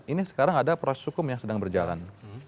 ini sekarang ada proses hukum yang sedang berjalan